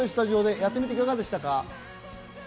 やってみていかがでしたか？